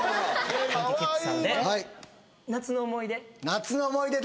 「夏の思い出」